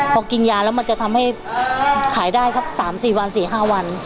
พอกินยาแล้วมันจะทำให้ขายได้สัก๓๔วัน๔๕วัน